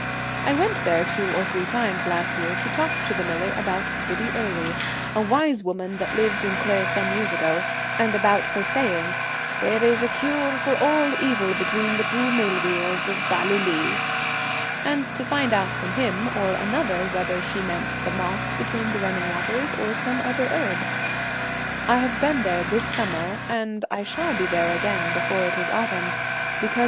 I went there two or three times last year to talk to the miller about Biddy Early, a wise woman that lived in Clare some years ago, and about her saying, ' There is a cure for all evil between the two mill wheels of Ballylee,' and to find out from him or another whether she meant the moss between the running waters or some other herb. I have been there this summer, and I shall 35 The be there again before it is autumn, because Twilight.